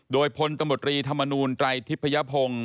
โดยพลตมตรีธรรมนูนไตรทิพยพงศ์